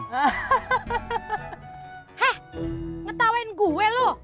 hah ngetawain gue lu